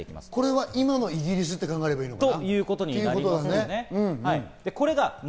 これは今のイギリスと考えればいいかな。